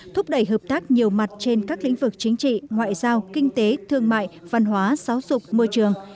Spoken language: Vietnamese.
thúc đẩy hợp tác nhiều mặt trên các lĩnh vực chính trị ngoại giao kinh tế thương mại văn hóa xáo dục môi trường